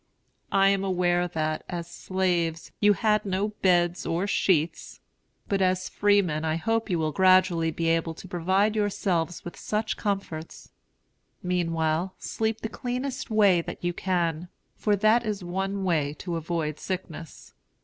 I am aware that, as slaves, you had no beds or sheets; but as free men I hope you will gradually be able to provide yourselves with such comforts. Meanwhile, sleep in the cleanest way that you can; for that is one way to avoid sickness.